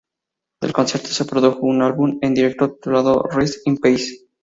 Del concierto se produjo un álbum en directo titulado "Rest In Peace".